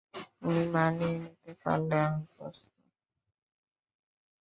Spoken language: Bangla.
তুমি মানিয়ে নিতে পারলে আমি প্রস্তুত।